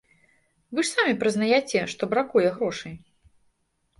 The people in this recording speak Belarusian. Вы ж самі прызнаяце, што бракуе грошай.